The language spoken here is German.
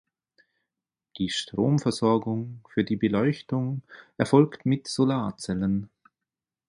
Die Stromversorgung für die Beleuchtung erfolgt mit Solarzellen.